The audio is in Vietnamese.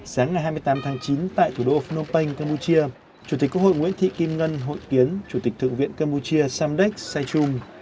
sáng ngày hai mươi tám tháng chín tại thủ đô phnom penh campuchia chủ tịch quốc hội nguyễn thị kim ngân hội kiến chủ tịch thượng viện campuchia samdek saychum